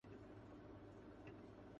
ان موضوعات پر کبھی دھیان نہیں دیتے؟